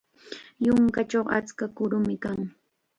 Yunkachaw achka kurum kan.